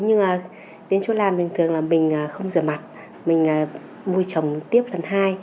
nhưng đến chỗ làm bình thường là mình không rửa mặt mình mua chồng tiếp lần hai